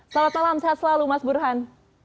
salam salam sehat selalu mas burhan